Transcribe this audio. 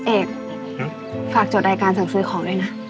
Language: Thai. เอกฝากจดรายการสั่งซื้อของด้วยนะ